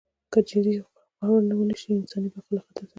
که جدي غور ونشي انساني بقا له خطر سره مخ ده.